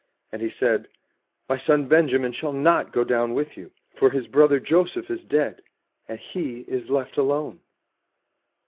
And he said, "My son Benjamin shall not go down with you; for his brother Joseph is dead, and he is left alone."